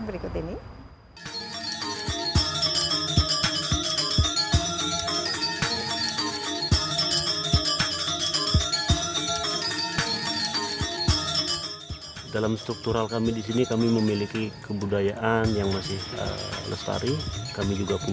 berikut ini dalam struktural kami di sini kami memiliki kebudayaan yang masih lestari